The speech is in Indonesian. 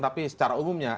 tapi secara umumnya